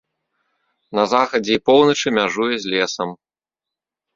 На захадзе і поўначы мяжуе з лесам.